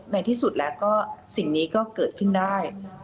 ในที่สุดแล้วก็สิ่งนี้ก็เกิดขึ้นได้